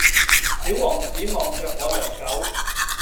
小王子望著我良久